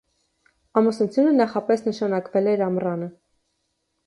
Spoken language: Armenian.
Ամուսնությունը նախապես նշանակվել էր ամռանը։